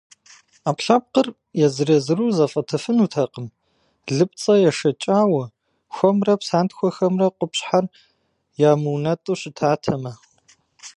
Ӏэпкълъэпкъыр езыр-езыру зэфӏэтыфынутэкъым лыпцӏэ ешэкӏауэ, хуэмрэ псантхуэхэмрэ къупщхьэр ямыунэтӏу щытатэмэ.